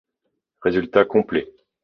Résultats complets.